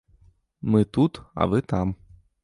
Мы тут, а вы там.